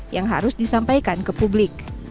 yang harus disampaikan ke publik